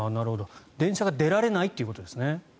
電車が出られないということですね。